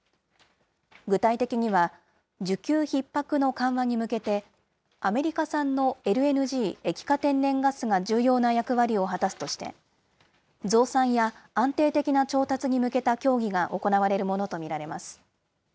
具体的には、需給ひっ迫の緩和に向けて、アメリカ産のＬＮＧ・液化天然ガスが重要な役割を果たすとして、増産や安定的な調達に向けた協議が行われるものと見られます。